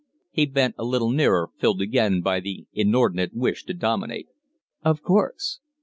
He bent a little nearer, filled again by the inordinate wish to dominate. "Of course."